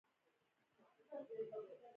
د نظریو افراطي خورول او ویشنه وه.